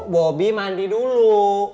bobi mandi dulu